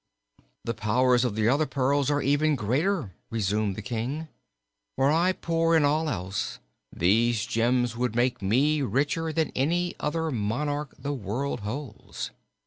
"The powers of the other pearls are even greater," resumed the King. "Were I poor in all else, these gems would make me richer than any other monarch the world holds."